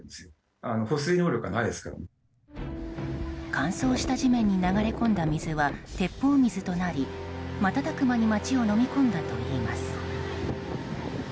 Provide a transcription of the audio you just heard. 乾燥した地面に流れ込んだ水は鉄砲水となり瞬く間に街をのみ込んだといいます。